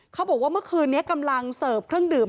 เขาบอกว่าเมื่อคืนนี้กำลังเสิร์ฟเครื่องดื่ม